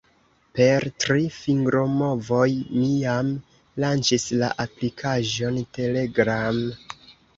Per tri fingromovoj, mi jam lanĉis la aplikaĵon Telegram.